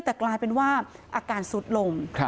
แต่กลายเป็นว่าอาการซุดลง